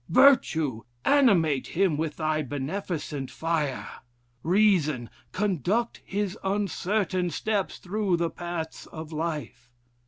Virtue! animate him with thy beneficent fire! Reason! conduct his uncertain steps through the paths of life.